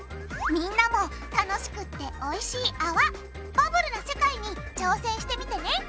みんなも楽しくっておいしいあわバブルな世界に挑戦してみてね。